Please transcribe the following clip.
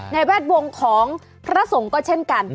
แวดวงของพระสงฆ์ก็เช่นกัน